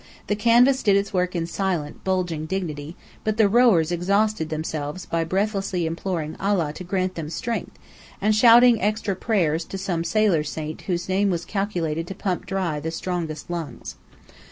The canvas did its work in silent, bulging dignity; but the rowers exhausted themselves by breathlessly imploring Allah to grant them strength, and shouting extra prayers to some sailor saint whose name was calculated to pump dry the strongest lungs.